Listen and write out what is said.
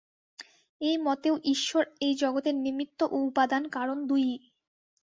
এই মতেও ঈশ্বর এই জগতের নিমিত্ত ও উপাদান-কারণ দুই-ই।